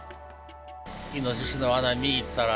イノシシのわな見に行ったら